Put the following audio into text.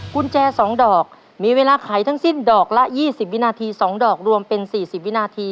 กุญแจ๒ดอกมีเวลาไขทั้งสิ้นดอกละ๒๐วินาที๒ดอกรวมเป็น๔๐วินาที